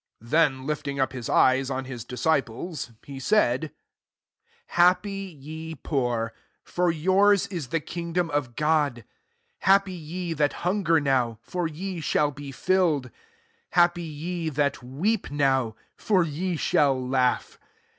20 Then lifting up his eyes on his disciples, he said, 21 " Happy ye poor ; for yours is the kingdom of God. 22 Happj ye that hunger now^ for ye shall be filled. Happj ye that weep now ; for ye shall laugh.